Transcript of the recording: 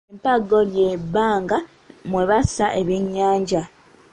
Empaggo ly’ebbanga mwe bassa ebyennyanja.